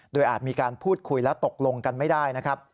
โดยอาจมีการพูดคุยและตกลงกันไม่ได้นะครับ